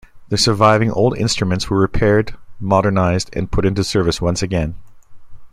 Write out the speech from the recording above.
The surviving old instruments were repaired, modernized and put into service once again.